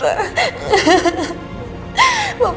iya mama betul